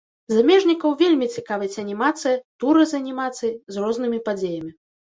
Замежнікаў вельмі цікавіць анімацыя, туры з анімацыяй, з рознымі падзеямі.